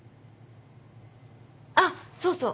あっそうそう。